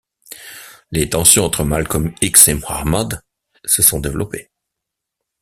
Les tensions entre Malcolm X et Muhammad se sont développées.